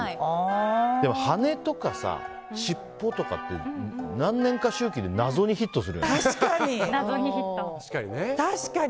でも羽根とか、尻尾とかって何年か周期で謎にヒットするよね。